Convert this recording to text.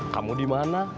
kamu di mana